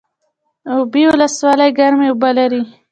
اوبې ولسوالۍ ګرمې اوبه لري؟